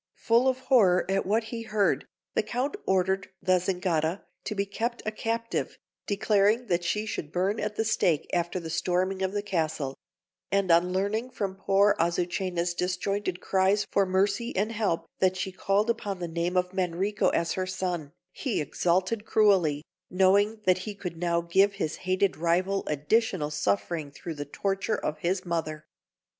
Full of horror at what he heard, the Count ordered the Zingara to be kept a captive, declaring that she should burn at the stake after the storming of the castle; and on learning from poor Azucena's disjointed cries for mercy and help that she called upon the name of Manrico as her son, he exulted cruelly, knowing that he could now give his hated rival additional suffering through the torture of his mother.